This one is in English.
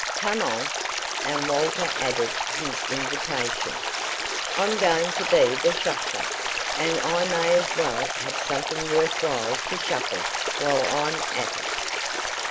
"Come on," and Walter added his invitation. "I'm going to be the 'shuffler,' and I may as well have something worth while to 'shuffle' while I'm at it."